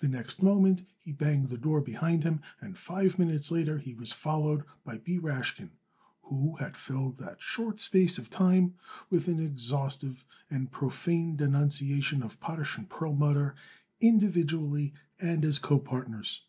The next moment he banged the door behind him and five minutes later he was followed by B. Rashkin, who had filled that short space of time with an exhaustive and profane denunciation of Potash & Perlmutter, individually and as copartners.